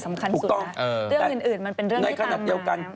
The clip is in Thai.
สำคัญสุดนะเรื่องอื่นมันเป็นเรื่องที่ตามมานะแบบนี้ถูกต้อง